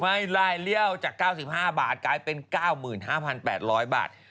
ลายเลี่ยวจาก๙๕บาทกลายเป็น๙๕๘๐๐บาท